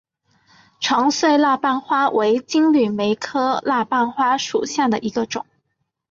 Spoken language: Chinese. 长穗蜡瓣花为金缕梅科蜡瓣花属下的一个种。